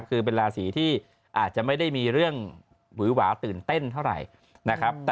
คือเป็นราศีที่อาจจะไม่ได้มีเรื่องหวือหวาตื่นเต้นเท่าไหร่นะครับ